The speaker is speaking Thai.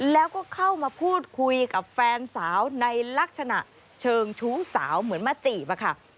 แล้วก็เข้ามาพูดคุยกับแฟนสาวในลักษณะเชิงชู้สาวเหมือนมาจีบอะค่ะ